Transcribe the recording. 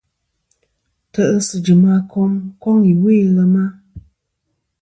Ntè'sɨ jɨm a kom iwo i lema.